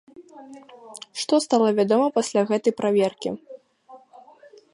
Што стала вядома пасля гэтай праверкі?